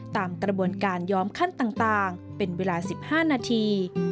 ตามกระบวนการย้อมขั้นต่างเป็นเวลา๑๕นาที